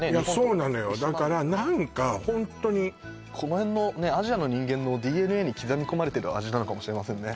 そうなのよだから何かホントにこの辺のアジアの人間のＤＮＡに刻み込まれてる味なのかもしれませんね